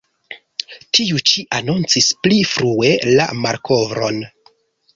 Tiu-ĉi anoncis pli frue la malkovron.